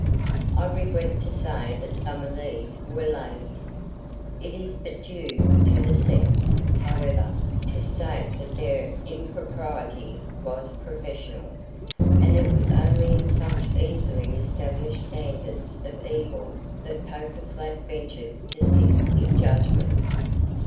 I regret to say that some of these were ladies. It is but due to the sex, however, to state that their impropriety was professional, and it was only in such easily established standards of evil that Poker Flat ventured to sit in judgment.